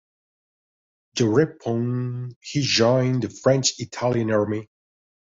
Thereupon he joined the French Italian Army.